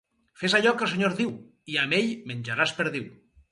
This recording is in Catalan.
Fes allò que el senyor diu, i amb ell menjaràs perdiu.